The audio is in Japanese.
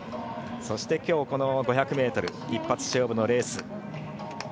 そしてきょう、この５００ｍ一発勝負のレース。